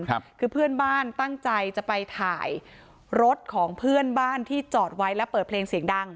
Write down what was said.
คือเพื่อนบ้านตั้งใจจะไปถ่ายรถของเพื่อนบ้านที่จอดไว้และเปิดเพลงเสียงดัง